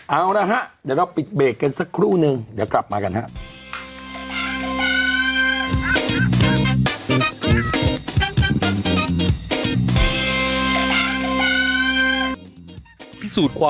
เอาละฮะเดี๋ยวเราปิดเบรกกันสักครู่นึงเดี๋ยวกลับมากันครับ